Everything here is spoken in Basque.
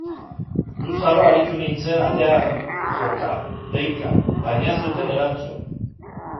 Luzaro aritu nintzen atean joka, deika, baina ez zuten erantzun.